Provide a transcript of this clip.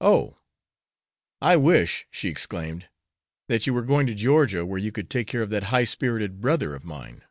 "Oh, I wish," she exclaimed, "that you were going to Georgia, where you could take care of that high spirited brother of mine."